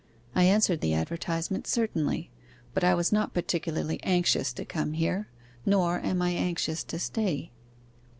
I answered the advertisement certainly, but I was not particularly anxious to come here, nor am I anxious to stay.